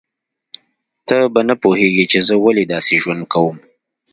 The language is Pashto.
ته به نه پوهیږې چې زه ولې داسې ژوند کوم